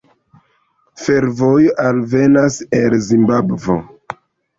Fervojo alvenas el Zimbabvo.